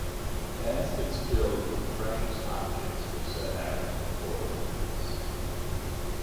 Baskets filled with precious objects were set out before the windows.